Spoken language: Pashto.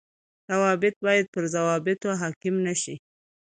روابط باید پر ضوابطو حاڪم نشي